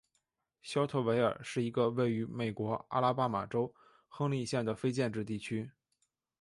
肖特维尔是一个位于美国阿拉巴马州亨利县的非建制地区。